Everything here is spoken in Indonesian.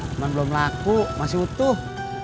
cuma belum laku masih utuh